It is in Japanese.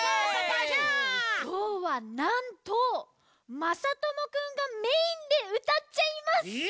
きょうはなんとまさともくんがメインでうたっちゃいます！え！